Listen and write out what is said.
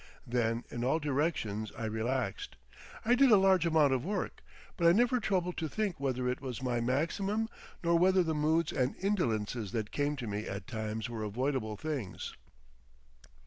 Then in all directions I relaxed. I did a large amount of work, but I never troubled to think whether it was my maximum nor whether the moods and indolences that came to me at times were avoidable things.